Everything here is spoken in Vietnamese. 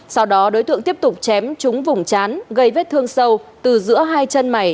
sau đó đối tượng tiếp tục chém trúng vùng chán gây vết thương sâu từ giữa hai chân mày